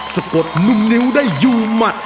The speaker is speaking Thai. สะกดหนุ่มนิ้วได้อยู่หมัด